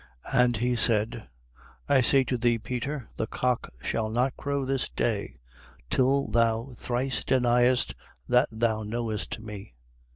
22:34. And he said: I say to thee, Peter, the cock shall not crow this day, till thou thrice deniest that thou knowest me.